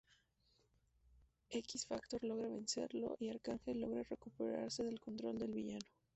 X-Factor logra vencerlo y Arcángel logra recuperarse del control del villano.